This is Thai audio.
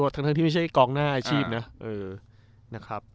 ทั้งที่ไม่ใช่กองหน้าอาชีพนะครับ